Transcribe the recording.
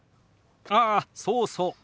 ああそうそう。